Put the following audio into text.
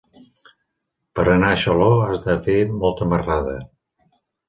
Per anar a Xaló has de fer molta marrada.